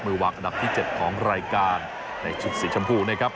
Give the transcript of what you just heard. มือวางอันดับที่๗ของรายการในชุดสีชมพูนะครับ